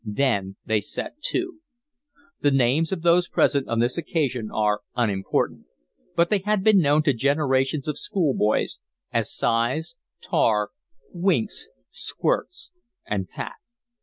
Then they set to. The names of those present on this occasion are unimportant, but they had been known to generations of school boys as Sighs, Tar, Winks, Squirts, and Pat.